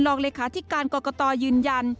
รองเลขาธิการกรกตยืนยัน